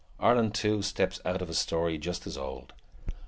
Ireland, too, steps out of a story just as old.